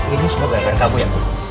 ini semua gara gara kamu ya